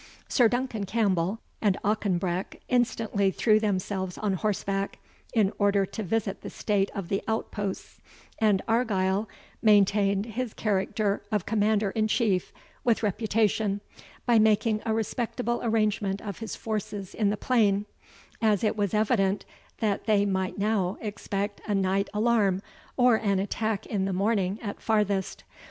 Sir Duncan Campbell, and Auchenbreck, instantly threw themselves on horseback, in order to visit the state of the outposts; and Argyle maintained his character of commander in chief with reputation, by making a respectable arrangement of his forces in the plain, as it was evident that they might now expect a night alarm, or an attack in the morning at farthest.